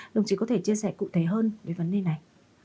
đồng chí có thể chia sẻ cụ thể hơn về vấn đề này